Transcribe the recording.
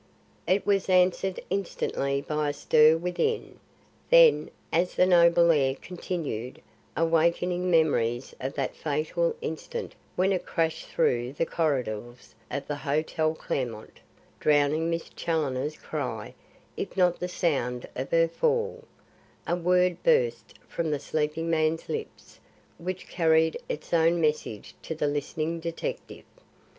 It was answered instantly by a stir within; then, as the noble air continued, awakening memories of that fatal instant when it crashed through the corridors of the Hotel Clermont, drowning Miss Challoner's cry if not the sound of her fall, a word burst from the sleeping man's lips which carried its own message to the listening detective.